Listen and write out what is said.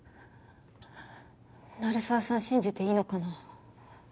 鳴沢さん信じていいのかな？